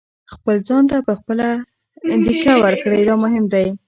خپل ځان ته په خپله دېکه ورکړئ دا مهم دی.